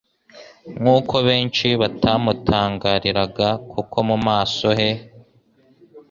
“Nkuko benshi bamutangariraga kuko mu maso he